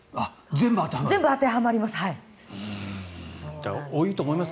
全部当てはまります。